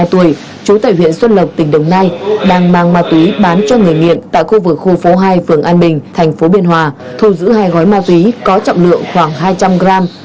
ba mươi tuổi trú tại huyện xuân lộc tỉnh đồng nai đang mang ma túy bán cho người nghiện tại khu vực khu phố hai phường an bình thành phố biên hòa thu giữ hai gói ma túy có trọng lượng khoảng hai trăm linh gram